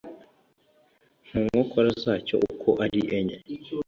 mu nkokora zacyo uko ari enye